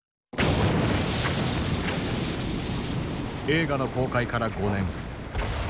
映画の公開から５年。